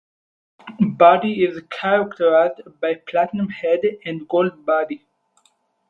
Body is characterized by platinum head and gold body.